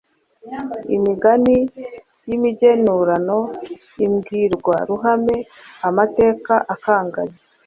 imigani y‟imigenurano, imbwirwa ruhame, amateka akanganye,